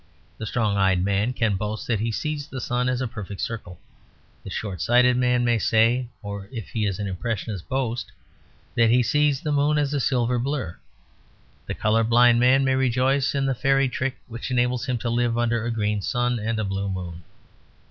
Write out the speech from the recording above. The strong eyed man can boast that he sees the sun as a perfect circle. The shortsighted man may say (or if he is an impressionist, boast) that he sees the moon as a silver blur. The colour blind man may rejoice in the fairy trick which enables him to live under a green sun and a blue moon.